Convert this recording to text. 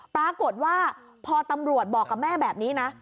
ปรากฏว่าพอตำรวจบอกกับแม่แบบนี้นะ